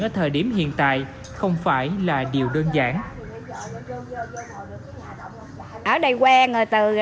ở thời điểm hiện tại không phải là đúng